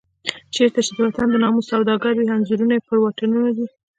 چېرته چې د وطن د ناموس سوداګر وي انځورونه یې پر واټونو دي.